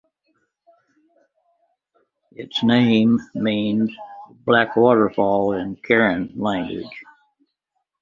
Its name means ""black waterfall"" in Karen language.